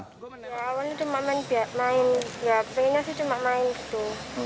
ya awalnya cuma main ya pengennya sih cuma main gitu